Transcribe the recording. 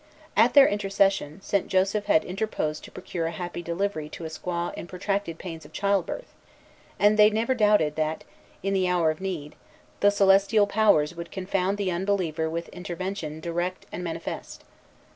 At their intercession, St. Joseph had interposed to procure a happy delivery to a squaw in protracted pains of childbirth; and they never doubted, that, in the hour of need, the celestial powers would confound the unbeliever with intervention direct and manifest.